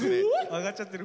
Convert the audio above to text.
上がっちゃってる。